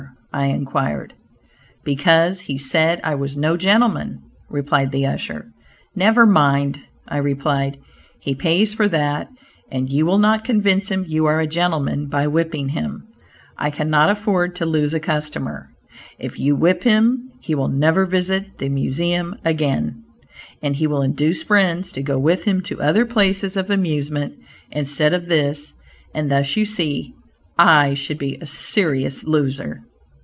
I inquired. "Because he said I was no gentleman," replied the usher. "Never mind," I replied, "he pays for that, and you will not convince him you are a gentleman by whipping him. I cannot afford to lose a customer. If you whip him, he will never visit the Museum again, and he will induce friends to go with him to other places of amusement instead of this, and thus you see, I should be a serious loser."